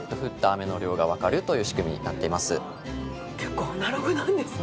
結構アナログなんですね。